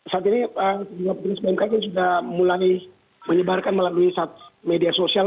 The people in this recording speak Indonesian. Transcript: saat ini sejumlah petugas bmkg sudah mulai menyebarkan melalui media sosial